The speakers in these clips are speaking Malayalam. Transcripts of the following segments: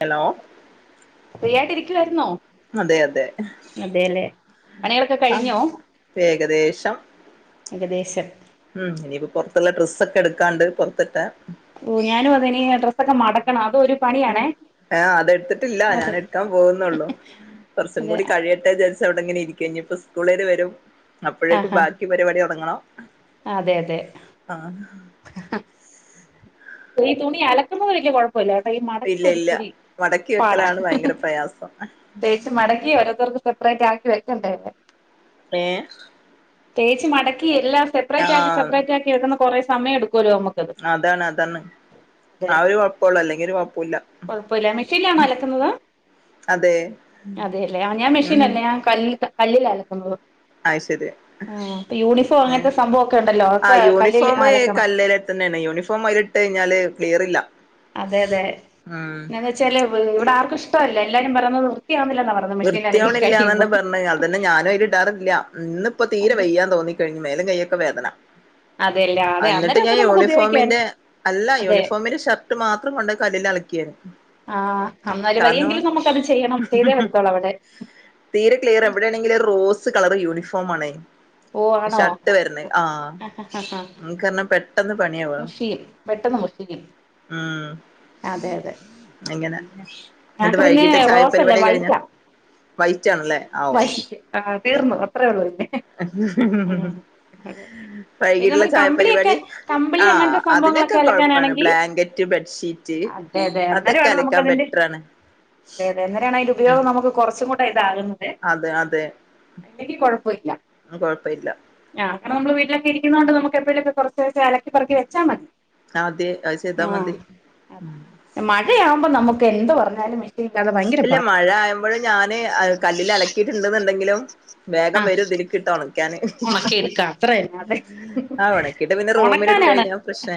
ഹലോ. ഫ്രീ ആയിട്ട് ഇരിക്കയിരുന്നോ. അതെ അതെ അതെല്ലേ പണിളൊക്കെ ആഹ് കഴിഞ്ഞോ. ഏകദേശം ഏകദേശം. ഉം ഇനിയിപ്പ പുറത്തുള്ള ഡ്രസ്സൊക്കെ എടുക്കാണ്ട് പൊറത്തിട്ടാ. ഓഹ് ഞാനും അതന്നെ ഈ അഡ്രസ്സൊക്കെ മടക്കണം അതൊരു. ആഹ് അതെടുത്തിട്ടില്ല ഞാൻ അതെ ട്ക്കാൻ പോകുന്നുള്ളൂ കുറച്ചും അതെ കൂടി കഴിയട്ടെ ച്ചാ അവിടെങ്ങനെ ഇരിക്ക ഇനി ഇപ്പ സ്കൂളാര് വരും അപ്പഴേക്കും ആഹാ ബാക്കി പരിപാടി ഉടങ്ങണം. അതെ അതെ. ഈ തുനി അലക്കുമ്പോ വല്ല്യ [unintelligible] ഈ ഇല്ല ഇല്ല മടപ്പോര്ച്ചിരി മടക്കി പാടാ വെക്കലാണ് ഭയങ്കര പ്രയാസം പെയ്സ് മടക്കി ഓരോരുത്തർക്ക്. സെപ്പറേറ്റ് ആക്കി വെക്കേണ്ടേേ. ഏ ഹ്. തേച്ച് മടക്കി എല്ലാം സെപ്പറേറ്റ് ആക്കി ആഹ് സെപ്പറേറ്റ് ആക്കി വക്കുന്ന കൊറെേ സമയം എടുക്കുമല്ലോ നമുക്കത്. അതാണ് അതാണ്. അതെ ആ ഒരു കൊഴപ്പൊള്ളൂ അല്ലെങ്കി ഒരു കൊഴപ്പുല്ല കൊഴപ്പൊല്ല മിഷല്ലാണോ അലക്കുന്നത്. അതെ അതെയല്ലേ ആ ഞാൻ മെഷീന ഉം അല്ലേ ഞാൻ ക കല്ലിൽ അലക്കുന്നുള്ളു. അയ്ശരി ആഹ് പ്പൊ യൂണിഫോം ഏഹ് അങ്ങനത്തെ സംഭവക്കെ ഉണ്ടല്ലോ ആ ഒക്കെ കല്ലിൽ യൂണിഫോം അലക്കണം. കല്ലേല് തന്നെയാണ് യൂണിഫോം ആയിലിട്ട് കിഞ്ഞാല് ക്ലിയർ ഇല്ല. അതെ അതെ പിന്നന്ന് വെച്ചാല് ഇവിടെ ആർക്കും ഇഷ്ടല്ല എല്ലാരും പറയുന്നത് വൃത്തിയാവുന്നില്ലാ പറഞ്ഞ. വൃത്തിയവണ ഇല്ലാന്ന് തന്നെ പറഞ്ഞഞ് അത്തന്നെ ഞാനും അതി ഇട്ടാറില്ല ഇന്ന ഇപ്പോ തീരെ അന്നേരം വെയ്യാൻ തോന്നി. [unintelligible] വേതന അതെല്ലേ അതെ എന്നിട്ട് അന്നേരൊക്കെ ഞാൻ നമുക്ക് ഉപയോഗിക്കാൻ യൂണിഫോമിന്റെ അല്ല അതെ യൂണിഫോമിന്റെ ഒരു മാസം കൊണ്ട കല്ലിൽ അലക്കിയേ. ആഹ്, അന്നര് വയ്യെങ്കിലും നമുക്കത് ചെയ്യണം. ചെയ്തേ പറ്റത്തൊളൂ അവിടെ. തീരെ ക്ലിയർ എവിടെയാണെങ്കില ഒരു റോസ് കളർ യൂണിഫോം ആണ്. ഓ ആണോ ഷർട്ട് വരുന്ന ആഹ്, പെട്ടെന്ന് പണിയാവ മുഷിയും പെട്ടെന്ന് മുഷിയും ഉം. അതെ അതെ എങ്ങനെ ന്നിട്ടു ഞങ്ങക്ക് പിന്നെ വൈകിട്ട് റോസല്ല ചായപരിപാടി കഴിഞ്ഞ? വൈറ്റാ വൈയിറ്റാന്നല്ലേ ആഓ വൈറ്റ് ആഹ് തീർന്നു അത്രേ ഉള്ളൂ പിന്നെ ഹ്ഹ് ഉം ഹ്. അതെ പിന്നെ വൈകിയുള്ള നമുക്ക് കമ്പിളിയൊക്കെ ചായപരിവാടി. കമ്പിളി ആഹ് അങ്ങനത്തെ അതിനൊക്കെ സംഭവങ്ങളൊക്കെ കൊഴപ്പാണ് അലക്കാനാണെങ്കി ബ്ലാങ്കറ്റ് ബെഡ്ഷീറ്റ് അതെ അതെ അതൊക്കെ അലക്കാൻ പ ത്രാണ് എടങ്ങെറാണ് അയിൻ്റെ ഉപയോഗം നമുക്ക് കുറച്ചും കൂടെ ഇതാകുന്നത് അതെ അതില്ലെങ്കി കൊഴപ്പമില്ല. ആ കൊഴപ്പ ഇല്ല. ആഹ് അങ്ങനെ നമ്മള് വീട്ടിലങ്ങ ഇരിക്കുന്നോണ്ട് നമുക്ക് എപ്പഴും [unintelligible] അടക്കിപെറുക്കി വെച്ചാമതി ആ തെ അത് ചെയ്താമതി. അതെ മഴയാവുമ്പോ നമുക്ക് എന്ത് പറഞ്ഞാലും മെഷീനില്ലാതെ ഭയങ്കര ഇല്ല പാടാ മഴ ആഴുമ്പോഴും ഞാന് കല്ലിൽ അലക്കിയിട്ടുണ്ട്ന്ന്ണ്ടെങ്കിലും. ആ വേഗം വരും ഇതിലീക്കിട്ട് ഉണക്കാന്. ഉണക്കി എടുക്കാം അത്ര തന്നെ അതെ ആ ഒണ ക്കിട്ട് പിന്നെ റൂമിൽ ഇട്ടു ഉണക്കാനാണ് കഴിഞ്ഞാൽ പ്രശ്ന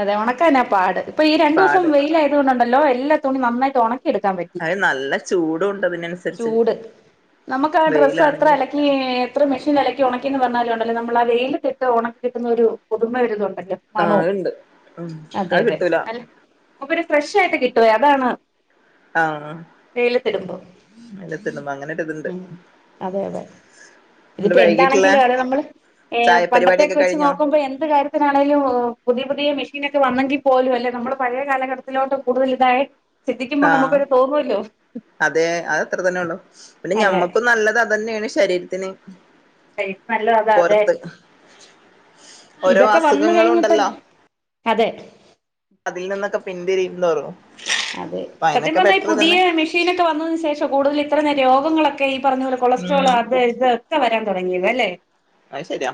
അതെ ഒണക്കാനാ പാട്. ഇപ്പ ഈ രണ്ടൂസം പാട് വെയിലായത് കൊണ്ട്ണ്ടല്ലോ എല്ലാ തുണി നന്നായിട്ട് ഒണക്കി എടുക്കാൻ പ അഹ് നല്ല ചൂടു ഉണ്ട് അതിനനുസരിച്ച് ചൂട് വെയിലാണെങ്കിലും. ഞ്ഞേ എത്ര മെഷീൻ അലക്കി ഒണക്കിന്ന് പറഞ്ഞാലുംണ്ടല്ലോ നമ്മള് ആ വെയിലത്തിട്ട് ഒണക്കി കിട്ടുന്ന ഒരു പുതുമ ഒരിതു ഉണ്ടല്ലോ. ആഹ് മണും അത്ണ്ട് ഉം അതെ അത് അതെ കിട്ടൂല അല്ല അപ്പ പിന്നെ ഫ്രഷായിട്ട് കിട്ടുവേ അതാണ്. ആഹ് വെയിലത്തിടുമ്പോ [unintelligible] അങ്ങനെ ഒരിത്ണ്ട്. ഉം അതെ അതെ ഇതിപ്പോ വൈകീട്ടുള്ള എന്താണെങ്കിലും അ നമ്മള് പണ്ടത്തൊക്കെ ചായപരിപാടിയൊക്കെ വെച്ച് കഴിഞ്ഞോ നോക്കുമ്പോ എന്ത് കാര്യ ആണേലും പുതിയ പുതിയ മെഷീനൊക്കെ വന്നെങ്കിൽ പോലും അല്ലേ നമ്മുടെ പഴയ കാലഘട്ടത്തിലോട്ട് കൂടുതൽ ഇതായേ ക്കുമ്പം ആഹ് നമുക്കൊരു തോന്നൊല്ലൊ. അതെ അത് അത്ര തന്നെ ഉള്ളു. പിന്നെ അല്ലെ ഞമ്മക്കും നല്ലത് അതന്നെയാണ് ശരീരത്തിന്. ഇപ്പയ് നല്ല അത് അതെ. പൊറത്ത് ഓരോ ഇതൊക്കെ വന്ന് അസുഖങ്ങളും ഉണ്ടല്ലോ കഴിഞ്ഞിട്ടല്ലേ അതെ. അതിൽ നിന്നൊക്കെ പിന്തിരിയും ന്തോറും അതെ സത്യം പറഞ്ഞാൽ ഈ പുതിയ മെഷീനൊക്കെ വന്നതിനു ശേഷം കൂടുതൽ ഇത്ര രോഗങ്ങളൊക്കെ ഈ പറഞ്ഞ പോലെ കൊളസ്ട്രോൾ ഉം അത് ഇത്. ക്ക വരാൻ തൊടങ്ങിയത് അല്ലേ അഹ് ശരിയാ.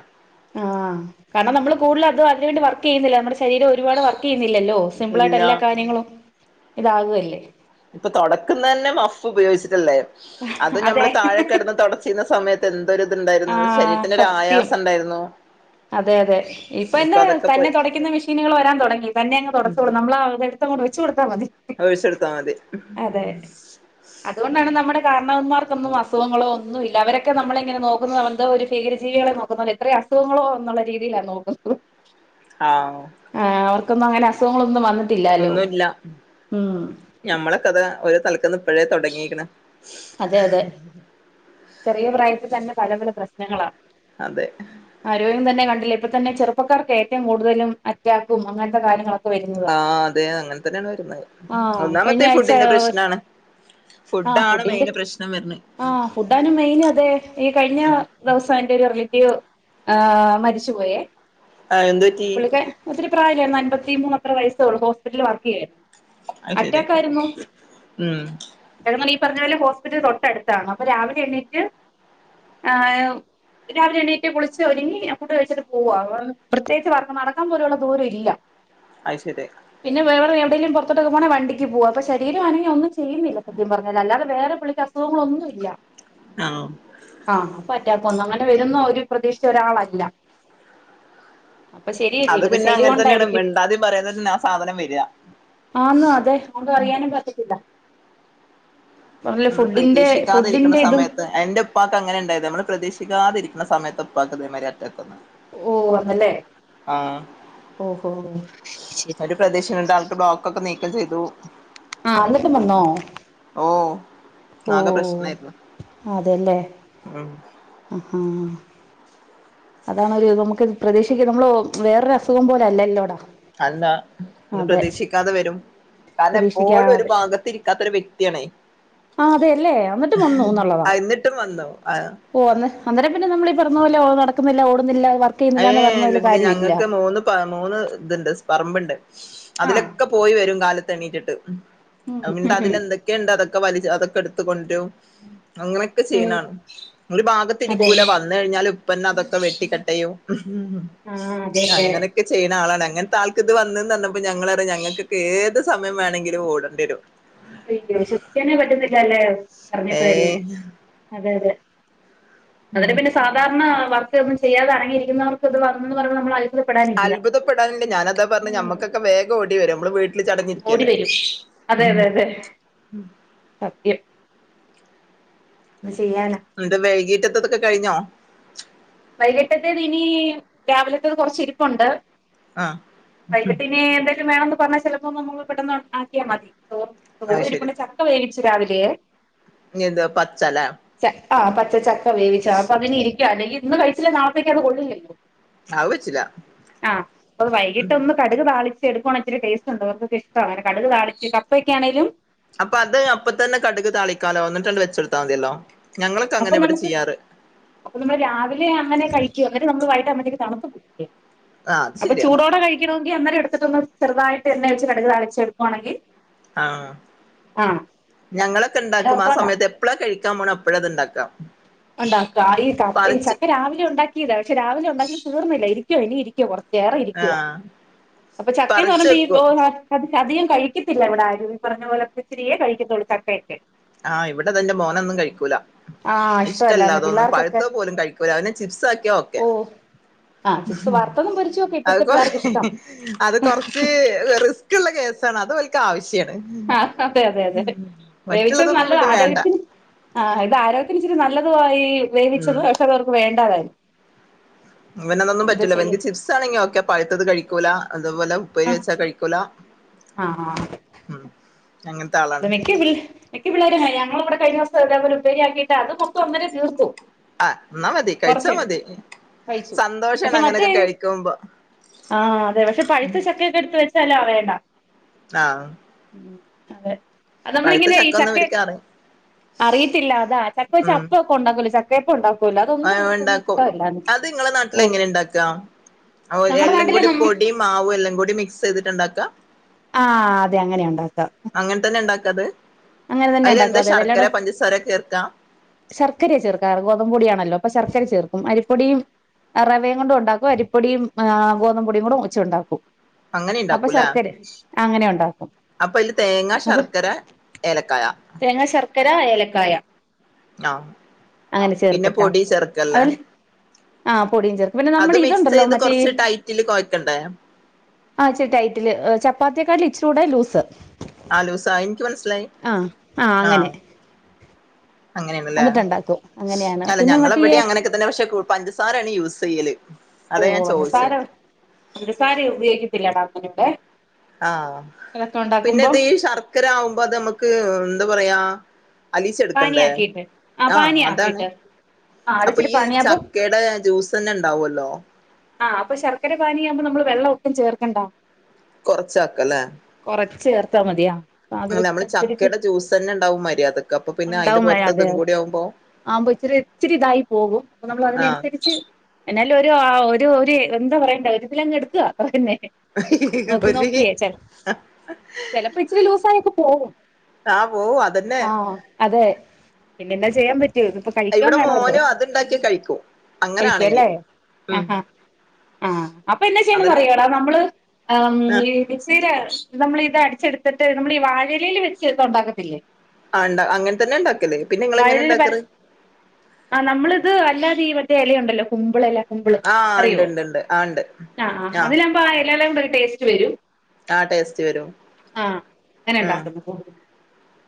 ആഹ് കാരണം നമ്മള് കൂടുതൽ അതും അതിനുവേണ്ടി വർക്ക് ചെയ്യുന്നില്ല നമ്മുടെ ശരീരം ഒരുപാട് വർക്ക് ചെയ്യുന്നില്ലല്ലോ സിംമ്പിളായിട്ട് ഇല്ല എല്ലാ കാര്യങ്ങളും ഇതാക് അല്ലേ. ഇപ്പൊ തൊടക്ക്ന്നെന്നെ മഫ് ഉപയോഗിച്ചിട്ടല്ലേ അത് അതെ ഞമ്മള് താഴേക്കെടന്ന് തൊടച്ചിരുന്ന സമയ ത്ത് എന്തൊര് ആ ഇത്ണ്ടായിരുന്നു. ശരീരത്തിനൊരു സത്യം ആയാസം ഇണ്ടായിരുന്നു. അതെ അതെ ഇപ്പൊ എന്നേ തന്നെ പോയി തൊടക്കുന്നെ മിഷീനുകൾ വരാൻ തൊടങ്ങി. തന്നെ അങ്ങ് തൊടചൊളും നമ്മളാത് ഇതങ്ങോട്ട് ഒഴിച്ച് കൊടുത്താ മതി. അത് ഒഴിച്ചൊട്ത്താ മതി. അതെ അതുകൊണ്ടാണ് നമ്മുടെ കാരണവന്മാർക്കൊന്നും അസുഖങ്ങളോ ഒന്നും ഇല്ല അവരൊക്കെ നമ്മളെ ഇങ്ങനെ നോക്കുന്നെ എന്തോ ഒരു ഭീകര ജീവികളെ നോക്കുന്ന പോലെ. ഇത്രയും അസുഖങ്ങളോ എന്നുള്ള രീതിയിലാണ് നോക്കുന്നത്. ആഹ് ആഹ് അവർക്കന്നും അങ്ങനെ അസുങ്ങള ഒും വന്ന് ഒന്നുല്ല ഞമ്മളൊക്കെ അതാ ഒരു തലക്കെന്ന് ഇപ്പഴേ തൊടങ്ങീക്ക്ണ്. അതെ അതെ ചെറിയ പ്രായത്തിൽ തന്നെ പല പല പ്രശ്നങ്ങളാ. അതെ ആരോഗ്യം തന്നെ കണ്ടില്ലെ ഇപ്പ തന്നെ ചെറുപ്പക്കാർക്ക് ഏറ്റവും കൂടുതലും അറ്റാക്കും അങ്ങനത്തെ കാര്യങ്ങളൊ ആഹ് അതെ അങ്ങനെ തന്നെയാണ് വര്ന്നേ. ആഹ് കഴിഞ്ഞ ഒന്നാമത്തെ ഈ ആഴ്ച ഫുഡിന്റെ പ്രശ്നാണ്. ആഹ് ഫുഡാ ഫുഡിന്റെ ആ ഫുഡാനും മെയിന് അതെ ഈ കഴിഞ്ഞ ദിവസം എന്റെ ഒരു റിലേറ്റീവ് ആഹ് മരിച്ചു പോയേ ആഹ് എന്ത് പറ്റി പുള്ളിക്ക് ഒത്തിരി പ്രായല്ലായിരുന്നു അൻപത്തി മൂന്നോ വയസ്സൊള്ളൂ ഹോസ്പിറ്റല് വർക്ക് ചെയ്യായിരുന്നു. അത് ശരി അറ്റാക്ക് ആയിരുന്നു ഉം [unintelligible] ഈ പറഞ്ഞ പോലെ ഹോസ്പിറ്റൽ തൊട്ടടുത്താണ് അപ്പൊ രാവിലെ എണീറ്റ് ഏഹ് രാവിലെ എണീറ്റ് കുളിച്ച് ഒരുങ്ങി ഫുഡ് കഴിച്ചിട്ട് പോവാ പ്രത്യേകിച്ച് വർക്ക് നടക്കൻ പോലുള്ള ദൂര ഇല്ല അത് ശരിയാ പിന്നെ വെറെ എടെങ്കിലും പൊറത്തെട്ടൊ പോണങ്കി വണ്ടിക്ക് പോക അപ്പോ ശരീര അനങ്ങി ഒന്ന ചെയ്യുന്നില്ല സത്യം പറഞ്ഞാ അല്ലാതെ വേറെ പുള്ളിക്ക് അസുഖങ്ങളൊന്നുയില്ല ആ [unintelligible] ആഹ് അപ്പോ അറ്റാക്ക്‌വന്ന് അങ്ങനെ വരുന്ന ഒരു പ്രതീക്ഷ ഒരാളല്ല അപ്പൊ ശരിയ അത് പിന്നെ ജീവിതശൈലി അങ്ങനെ തന്നെയാണ് കൊണ്ടായിരിക്കും മിണ്ടാതെയും പറയാതെയും തന്നെ ആ സാധനം വര്ക ആന് അതെ നമുക്ക് അറിയാനും പറ്റത്തില്ല. നമ്മള് ഫുഡിന്റെ പ്രതീക്ഷിക്കാതെ ഇരിക്കണ ഫുഡിന്റെ ഇതും സമയത്ത്- എന്റെ ഉപ്പാക്ക് അങ്ങനെ ഒണ്ടായതാ നമ്മള് പ്രതീക്ഷിക്കാതിരിക്കുന്ന സമയത്താ ഉപ്പാക്ക് ഇതേമാതിരി അറ്റാക് ഓഹ് വന്നല്ലെ ആഹ് ശരി ശരി ഒരു പ്രദേശയുണ്ട് ആൾക്ക് ബ്ലോക്ക് ഒക്കെ നീക്കം ചെയ്തു ആഹ് അന്നിട്ടും വന്നോ ഓഹ് ഓ ആകെ പ്രശ്നയായിരുന്നു ഉം അതാണ് ഒരു നമുക്ക് പ്രതീക്ഷിക്ക് നമ്മള് വേറൊരു അസുഖം പോലെ അല്ലല്ലോടാ അത് എന്താ ഇത് അതെ പ്രതീക്ഷിക്കാതെ വരും. കാരണം എപ്പോഴും ഒരു പ്രതീക്ഷിക്കാതെ ഭാഗത്ത് ഇരിക്കാത്ത ഒരു വ്യക്തിയാണേ ആ അതെല്ലേ എന്നിട്ടും ആഹ് എന്നിട്ടും വന്നു ആ ഓഹ് അന്ന് അന്നേരം പിന്നെ നമ്മള് ഈ പറയുന്നപോലെ ഓള് നടക്കുന്നില്ല ഓടുന്നില്ല വർക്ക് ചെയ്യുന്നില്ല എന്ന് പറഞ്ഞപോല് ഏഹ് കാര്യ ഇല്ല ഞങ്ങൾക്ക് മൂന്ന് മൂന്ന് ഇതുണ്ട് പറമ്പുണ്ട് ആ അതിലൊക്കെ പോയി വരും കാലത്ത് എണീറ്റിട്ട് ഉം പിന്നെ ഉം അതില് എന്തൊക്കെയ ഒണ്ട് അതൊക്കെ വല അതൊക്കെ എടുത്തൊണ്ടുകൊണ്ട് വരും അങ്ങനെ ഉം ചെയ്യാണ് ഒരു ഭാഗത്ത് അതെ ഇരിക്കൂല വന്ന് കഴിഞ്ഞാൽ ഉപ്പന്നെ അതൊക്കെ വെട്ടിക്കട്ടയ ആ അതെല്ലേ അങ്ങനെയൊക്കെ ചെയ്യണ ആളാണ് അങ്ങനത്തെ ആൾക്ക് ഇത് വന്നന്ന് പറഞ്ഞപ്പോ ഞങ്ങള് പറയും ഞങ്ങൾക്കൊക്കെ ഏത് സമയം വേണമെങ്കിലും ഓടേണ്ടിവരും അയ്യോ വിശ്വസിക്കാനേ പറ്റത്തില്ല അല്ലേ പറഞ്ഞപ്പഴ് തന്നെ ഏയ് അതെ അതെ അതിന് പിന്നെ സാധാരണ വർക്ക് ഒന്നും ചെയ്യാതെ ഇറങ്ങിയിരിക്കുന്നവർക്ക് ഇത് വന്നന്ന് പറയുമ്പേ നമ്മള് അ അത്ഭുതപ്പെടാനുണ്ട് ഞാൻ അതാ പറഞ്ഞെ നമ്മുക്കൊക്കെ വേഗ ഓടി വരും നമ്മള് വീട്ടി ഓടി വരും അതെ അതെ അതെ സത്യം എന്തോ ചെയ്യാനാ നിന്റെ വൈകീട്ടത്തതൊക്കെ കഴിഞ്ഞോ വൈകിട്ടത്തേത് ഇനി രാവിലത്തേത് കൊറച്ച് ഇരിപ്പുണ്ട് ആഹ് വൈകിട്ടിനി എന്തേലും വേണംന്ന് പറഞ്ഞാല് ചെലപ്പോ നമ്മള് പെട്ടന്ന് ഒണ്ടാക്കിയാ മതി തോ ചോറ് അത് ഇരിപ്ണ്ട് ചക്ക വേവിച്ചു രാവിലെ ഇനി എന്തുവാ പച്ചെല ആഹ് പച്ചചക്ക വേവിച്ച അപ്പൊ അതിന് ഇരിക്കുക അല്ലെങ്കിൽ ഇന്ന് കഴിച്ചില്ലെ നാളത്തേക്ക് അത് കൊള്ളില്ലല്ലോ അത് വെച്ചില്ല ആഹ് അത് വൈകിട്ട് ഒന്ന് - കടുക് താളി എടുക്കുവാണങ്കി ഇച്ചരി ടേസ്റ്റ്ണ്ട് അവർക്കൊക്കെ ഇഷ്ട്ടവാ അങ്ങെ കടുക് താളിച്ച് കപ്പൊക്കെ ആണേലും അപ്പൊ അത് അപ്പൊ തന്നെ കടുക് താളിക്കാലോ അന്നിട്ടങ്ങ് വെച്ചെടുത്താൽ മതിയല്ലോ ഞങ്ങളൊക്കെ അങ്ങനെ അപ്പൊ ഇവിടെ നമുക്ക് ചെയ്യാറ് അപ്പൊ നമ്മള് രാവിലെ അങ്ങനെ കഴിക്കു അന്നിട്ട് നമ്മള് വൈകിട്ട് ആകുമ്പോത്തേക്ക് തണുത്ത് പോകില്ലേ ആഹ് അത് അപ്പൊ ശരിയാ ചൂടോടെ കഴിക്കണമെങ്കിൽ എന്നേരം എടുത്തിട്ട്ന്ന് ചെറുതായിട്ട് എണ്ണ ഒഴിച്ച് കടുക് താളി ച്ചെടുക്കുവാണെങ്കിൽ ആഹ് ഞങ്ങളൊക്കെ അങ്ങനെ ഇണ്ടാക്കും ആ ഓർത്തോണ്ടാ സമയത്ത് എപ്പളാ കഴിക്കാൻ പോണേ അപ്പളാ അത് ഇണ്ടാക്കാം ഉണ്ടാക്കുക ഈ ക ഈ ചക്ക രാവിലെ ഒണ്ടാക്കിയതാ പക്ഷെ രാവിലെ ഒണ്ടാക്കി തീർന്നില്ല ഇരിക്കോ ഇനി ഇരിക്കോ കൊറ ഏറെ ഇരിക്കുവ ആഹ് അപ്പൊ ചക്കയെന്ന് പറിച്ച് പറയുമ്പോ വെക്കും ഈ- അധികം കഴിക്കത്തില്ല ഇവിടെ ആരും ഈ പറഞ്ഞ പോലെ ഇച്ചിരിയേ കഴിക്കത്തുള്ളൂ ചക്കയൊക്കെ ആഹ് ഇവിടെ എന്റെ മോനൊന്നും കഴിക്കൂല ആഹ് ഇഷ്ടമല്ലാന്ന് റ്റല്ലാതോന്ന പിള്ളേർക്കൊക്കെ പഴുത്തപോലും കഴിക്കില്ല അവനെ ചിപ്സ് ആക്കിയാ ഒക്കെയാ ഓ ആഹ് ചിപ്സ് വറുത്തതും പൊരിച്ചും ഒക്കെ അത് ഇപ്പോഴത്തെ കൊറ പിള്ളേർക്ക് ഇഷ്ടം അത് കൊറച്ച് ഇത്‌ റിസ്ക് ഉള്ള കേസാണ് അത് ഇവൾക്ക് ആവശ്യമാണ് ആഹ് അതെ അതെ അതെ വേവിച്ച മറ്റുള്ളതൊന്നും നല്ലതാ പിന്നെ വേണ്ട ആരോഗ്യത്തിന്- ആഹ് ഇത് ആരോഗ്യത്തിന് ഇച്ചിരി നല്ലതു ആയി, ഉം വേവിച്ചത് പക്ഷെ, അത അവർക്ക് വേണ്ടാതായി. ഇവന അതൊന്നും എന്താ പറ്റില്ല ചെയ്യാ ഇവനിക്ക് ചിപ്സ് ആണെങ്കി ഓക്കെ, പഴുത്തത് കഴിക്കൂല, അതുപോലെ ഉപ്പേരി വച്ചാ കഴിക്കൂല. ആഹാ ആഹാ... ഉം അങ്ങ- അത് മിക്ക മിക്ക പിള്ളേര ഞങ്ങള ഇവിടെ കഴിഞ്ഞിവസം ഇതേലെ ഉപ്പേരിയാക്കിയിട്ട് അത്- മൊത്തംന്നേരെ തീർത്തു. ആഹാ എന്നാ മതി കഴിച്ചാ കൊറച്ചെടുത്ത് മതി, കഴിച്ചു സന്തോഷാണ് അങ്ങനെയൊക്കെ കഴിക്കുമ്പോ. ആഹ് അതെ പക്ഷെ പഴുത്ത- ചക്കയൊക്കെ എടുത്ത് വെച്ചാലോ വേണ്ട. ആഹാ. ഉം അതെ അത് നമ്മളിങ്ങനെ ഈ ചക്കൊന്നും ചക്ക- ഇവര്ക്ക് അറി അറിയത്തില്ല അതാ ചക്ക വെച്ച, അപ്പ- പ്പ ഉണ്ടക്കൂലേ, ചക്കയപ്പ ഉണ്ടാക്കൂല? ഉണ്ടാക്കും അത് നിങ്ങളെ നാട്ടിൽ, ഓ എങ്ങനെ ഉണ്ടാക്കുക ഞങ്ങടെ എല്ലാം നാട്ടിലെ കൂടി നമ്മ പൊടിയും- മാവും എല്ലാം കൂടി മിക്സ് ചെയ്തിട്ടുണ്ടാക്കാം. ആഹ അതെ അങ്ങനെ ഉണ്ടാക്കാം. അങ്ങനെ തന്നെ ഉണ്ടാക്കത്- അങ്ങനെ തന്നെ അതില എന്താ ഉണ്ടാക്കാം അതെ ശർക്കര, അതെല്ലാടെ പഞ്ചസാര ചേർക്ക. ശർക്കരയ ചേർക്കാറ് ഗോതമ്പ്- പൊടിയണല്ലോ അപ്പ ശർക്കര ചേർക്കും, അരിപ്പൊടിയും. റവയും കൊണ്ടു ഉണ്ടാക്കും അരിപ്പൊടിയും ആഹാ ഗോതമ്പൊടിയും, കൂടെ വെച്ചും ഉണ്ടാക്കും. അങ്ങനെ ഉണ്ടാക്കൂല്ലേ അങ്ങനെ ഉണ്ടാക്കും അപ്പോ- അതില് തേങ്ങ, അപ്പൊ ശർക്കര- ഏലക്കായ. തേങ്ങ, ശർക്കര, ഏലക്കായ. ആഹ് അങ്ങനെ പിന്നെ ചേർത്തിട്ടാ പൊടി ചേർക്കല്ലേ അവല്- ആഹാ പൊടിയും ചേർക്കും പിന്നെ- അത് നമ്മുടെ മിക്സ് ഇതുണ്ടല്ലോ ചെയ്ത് മറ്റേ. കൊറച്ച് ടൈറ്റില് കൊഴക്കണ്ടേ ആ ഇച്ചി റ്റൈറ്റില് ചപ്പാത്തിയക്കാട്ട- ഇച്ചിലൂടെ ലൂസ്. ആലൂസ എനിക്ക് മനസ്സിലായി. ആഹ് ആഹ് ആഹാ. അങ്ങനെ അങ്ങനെയണല്ലേ, എന്നിട്ടുണ്ടാക്കും അങ്ങനെയാണ് അല്ല പിന്നെ മറ്റേ ഞങ്ങളെവിടെ അങ്ങനൊക്കെ- ന്നെ പക്ഷെ പഞ്ചസാരാണ് യൂസ് ചെയ്യല്. ഓ അതാ ഞാൻ ചോദിച്ചേ പഞ്ചസാര, പഞ്ചസാര ഉപയോഗിക്കത്തില്ലടാ അങ്ങനടെ. ആഹ പിന്നെത് ഈ ശർക്കര- ആവുമ്പോ അത് നമ്മുക്ക് എന്താ പറയാ? അലീചേടുക്കണ്ടേ പാനിയാക്കിയിട്ട് ആ ആഹാ അതാണ്. പാനിയാക്കിയിട്ട് ആ അപ്പോ അതിച്ചിരി ഈ പാനിയാകുമ്പോ ചക്കയുടെ ജ്യൂസ് തന്നെ ഉണ്ടാവല്ലോ. ആഹാ അപ്പോ ശർക്കര- പാനിയാകുമ്പോ നമ്മള് വെള്ളം ഒട്ടും ചേർക്കണ്ട. കൊറച്ചാക്ക അല്ലേ? കൊറച്ച് ചേർത്താ മതിയാ? നമ്മള് ചക്കയുടെ ജ്യൂസ് തന്നെ- ഉണ്ടാവും മര്യാദക്ക് അപ്പോ പിന്നെ അതിന്റെ പുറത്ത് ഇതും കൂടി- ആകുമ്പോ ആമ്പ ഇച്ചിരി, ഇച്ചിരി ഇതായി പോകും. അപ്പോ നമ്മൾ ആഹ് അതിനനുസരിച്ച്. എന്നാല് ഒരു, ഒരു, ഒരു എന്താ പറയേണ്ട? ഒരുതിലങ് എടുക്കുവന്നെ. തോക്കി ഒരു നോക്കിയേ ച ചിലപ്പോ- ഇച്ചിരി ലൂസ ആയിക്കെ പോകും. ആഹാ പോവാ? അതെന്നെ. ആ അതെ പിന്നെന്താ ചെയ്യാൻ പറ്റും. കഴിക്കൻ ഇവിടെ വേണല്ലോ മോനും അത്ണ്ടാക്കി കഴിക്കും അങ്ങനാണെങ്കി കഴിക്കുവല്ലേ? ഉം ആഹാ.. ആഹ അപ്പൊ എന്താ ചെയ്യണ്ട അതന്നെ ന്നറിയോടാ? നമ്മള് ആഹാ. ആഹ് മിക്സിൽ നമ്മള ഇത് അടിച്ചെടുത്തിട്ട് നമ്മൾ ഈ- വാഴലയിൽ വെച്ച് ഇത് ഉണ്ടാക്കത്തില്ലേ? ആ അനെ തന്നെ ഉണ്ടാക്കല്ലേ പിന്നെങ്ങ എങ്ങനെ ഉണ്ടാക്കരുറ്. ആ നമ്മളിത് അല്ലാതീ വത്തെ- ഇലയുണ്ടല്ലോ കുമ്പിളിലാ കുമ്പിള്- ആഹ ഉണ്ട് അറിയോ ണ്ട് ആ ണ്ട് ആഹ്.. അപ്പാ എല [unintelligible] ടേസ്റ്റ് വരും. ആ ടേസ്റ്റ് വരും ആഹ് അങ്ങനെ ഉം ഉണ്ടാക്കുന്നു കൂടുതലും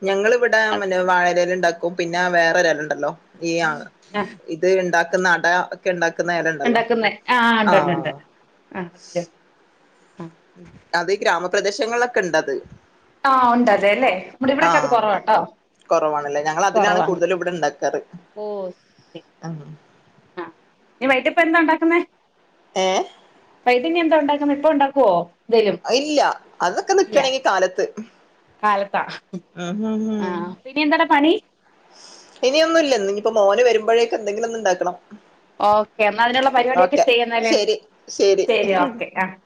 ഞങ്ങ ഇവിടെ അത് മന്നെ വാഴരൽ- ണ്ടാക്കും പിന്നെ വേറെ- ഒരെലുണ്ടല്ലോ ഈ ആഹാ... ആഹ് ഇത് ണ്ടാക്കുന്ന അട ഒക്കെ ണ്ടാക്കുന്ന നലണ്ട്. ണ്ടാക്ന്ന ആഹ് ഉണ്ടണ്ട് ഉണ്ട് ആഹാ ആഹാ... അതീ ഗ്രാമപ്രദേശങ്ങളിലൊക്കെ ണ്ടത് ആഹ് ഉണ്ട് അതെല്ലെ നമ്മുടെ ഇവിടെക്കെ അത് കുറവ ട്ടോ കുറവാണല്ലേ ഞങ്ങൾ അതിലാണ് കൂടുതലും ഇവിടെ ഉണ്ടാക്കാറ് ആ വൈകിട്ട്പ്പ ന്താ ഉണ്ടാക്കുന്നെ ഏഹ് വൈകിട്ടിനി എന്താ ഉണ്ടാക്കുന്നെ ഇപ്പൊ ഉണ്ടാക്കുവോ എന്തേലും ഇല്ല അതൊക്കെ ഇല്ല നിക്കണെങ്കി കാലത്ത് കാലത്താ ഉം ഉം ഉം ആഹ് പിന്നെ എന്താടാ പണി ഇനി ഒന്നും ഇല്ല ന്നി നിയിപ്പോ മോന് വരുമ്പോഴേക്കെന്തെങ്കിലും ഒന്നുംണ്ടാക്കണം ഓക്കേ എന്നാൽ അതിനുള്ള പരിപാടിയൊക്കെ ചെയ്യുന്നാല് ശരി ഓക്കെ ആഹ്